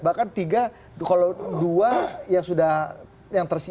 bahkan tiga kalau dua ya